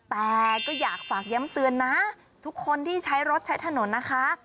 แต่ก็อยากฝากย้ำเตือนนะทุกคนที่ใช้รถใช้ถนนนะคะ